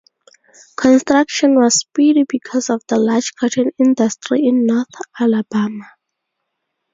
Construction was speedy because of the large cotton industry in North Alabama.